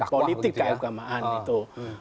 politik keagamaan itu